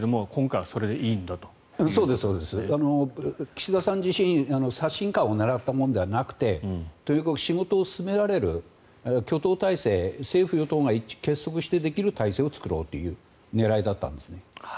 岸田さん自身刷新感を狙ったものではなくてとにかく仕事を進められる挙党体制、政府・与党が一致結束できる体制を作ろうという狙いだったんです。